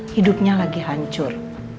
hidupnya lagi hancur